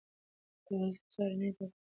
متوازنه سهارنۍ د ورځې لپاره انرژي ورکوي.